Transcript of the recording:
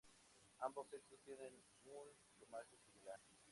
Ambos sexos tienen un plumaje similar.